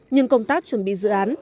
nhưng công tác chuẩn bị dự án